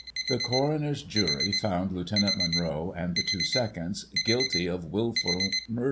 The Coroner's jury found Lt. Munro, and the two seconds, guilty of wilful murder.